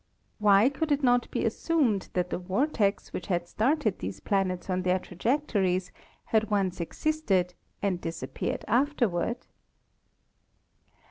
Why could it not be assumed that the vortex which had started these planets on their trajectories had once existed and disappeared afterward